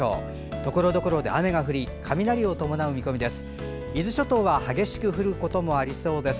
ところどころで雨が降り雷を伴う見込みです。